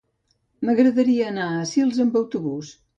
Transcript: M'agradaria anar a Sils amb autobús.